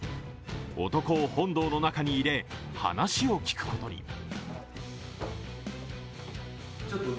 男を本堂の中に入れ、話を聞くことに。